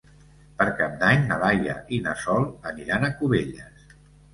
Per Cap d'Any na Laia i na Sol aniran a Cubelles.